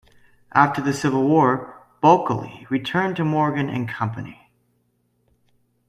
After the Civil War, Bulkeley returned to Morgan and Company.